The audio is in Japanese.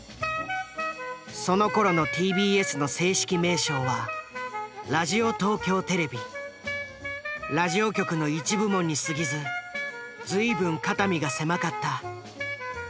そのころのＴＢＳの正式名称はラジオ局の一部門に過ぎず随分肩身が狭かった。